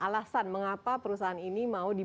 dan juga ada alasan mengapa perusahaan ini mau diberikan